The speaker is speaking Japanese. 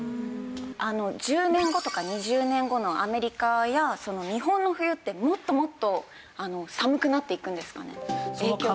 １０年後とか２０年後のアメリカや日本の冬ってもっともっと寒くなっていくんですかね？